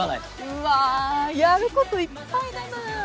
うわやることいっぱいだなぁ。